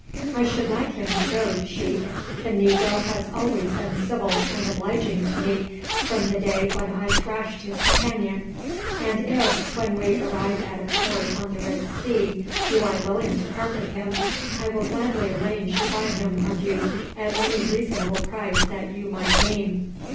"I should like him to go, sheik. The negro has always been civil and obliging to me from the day when I thrashed his companion, and if when we arrive at a port on the Red Sea you are willing to part with him I will gladly arrange to buy him of you at any reasonable price that you might name."